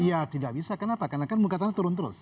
iya tidak bisa kenapa karena kan muka tanah turun terus